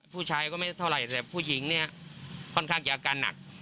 ผู้ชายก็ไม่เท่าไหร่แต่ผู้หญิงเนี่ยค่อนข้างจะอาการหนัก